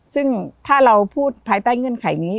ซึ่งถ้าเราพูดภายใต้เงื่อนไขนี้